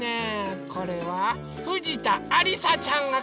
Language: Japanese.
これはふじたありさちゃんがかいてくれました。